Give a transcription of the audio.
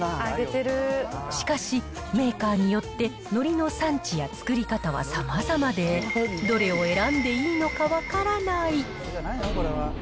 しかし、メーカーによって、のりの産地や作り方はさまざまで、どれを選んでいいのか分からない。